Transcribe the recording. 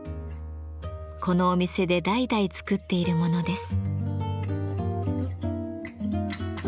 このお店で代々作っているものです。